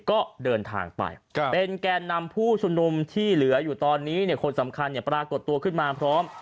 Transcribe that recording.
ก็เดินทางไปเป็นแกนนำผู้ชุมนุมที่เหลืออยู่ตอนนี้เนี่ยคนสำคัญปรากฏตัวขึ้นมาพร้อม